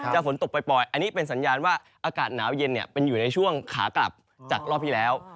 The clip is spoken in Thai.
ฝนตกปล่อยอันนี้เป็นสัญญาณว่าอากาศหนาวเย็นเป็นอยู่ในช่วงขากลับจากรอบที่แล้ว